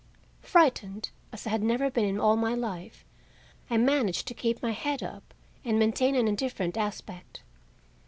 Frightened as I had never been in all my life, I managed to keep my head up and maintain an indifferent aspect.